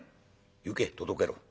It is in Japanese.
行け届けろ。